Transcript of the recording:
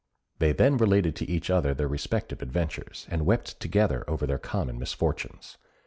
They then related to each other their respective adventures, and wept together over their common misfortunes.